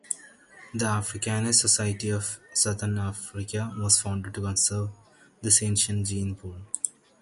The Africanis Society of Southern Africa was founded to conserve this ancient gene pool.